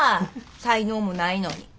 才能もないのに。